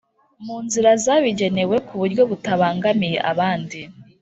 mu nzira zabigenewe kuburyo butabangamiye abandi